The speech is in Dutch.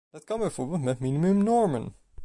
Dat kan bijvoorbeeld met minimumnormen.